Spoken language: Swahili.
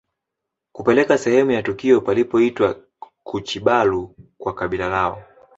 Kupeleka sehemu ya tukio palipoitwa kuchibalu kwa kabila lao